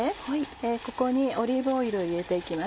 ここにオリーブオイルを入れて行きます。